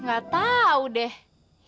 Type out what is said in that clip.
gak tau deh